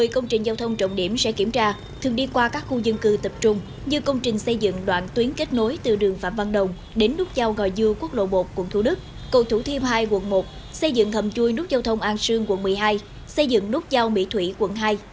một mươi công trình giao thông trọng điểm sẽ kiểm tra thường đi qua các khu dân cư tập trung như công trình xây dựng đoạn tuyến kết nối từ đường phạm văn đồng đến nút giao ngòi dư quốc lộ một quận thủ đức cầu thủ thiêm hai quận một xây dựng hầm chui nút giao thông an sương quận một mươi hai xây dựng nút giao mỹ thủy quận hai